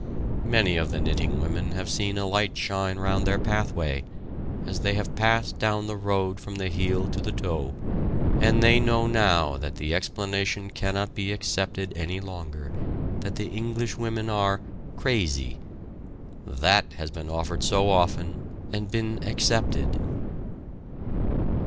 Many of the knitting women have seen a light shine around their pathway, as they have passed down the road from the heel to the toe, and they know now that the explanation cannot be accepted any longer that the English women are "crazy." That has been offered so often and been accepted.